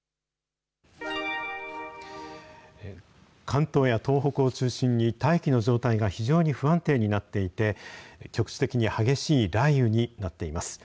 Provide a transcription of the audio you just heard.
関東や東北を中心に、大気の状態が非常に不安定になっていて、局地的に激しい雷雨になっています。